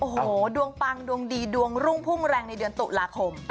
โอ้โหดวงปังดวงดีดวงรุ่งพุ่งแรงในเดือนตุลาคม